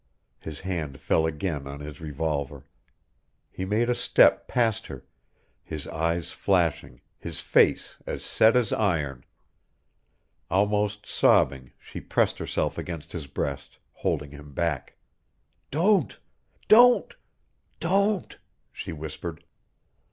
His hand fell again on his revolver; he made a step past her, his eyes flashing, his face as set as iron. Almost sobbing, she pressed herself against his breast, holding him back. "Don't don't don't " she whispered.